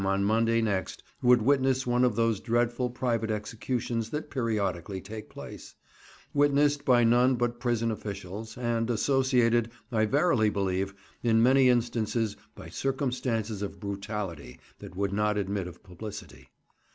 on Monday next would witness one of those dreadful private executions that periodically take place, witnessed by none but prison officials, and associated, I verily believe, in many instances by circumstances of brutality that would not admit of publicity.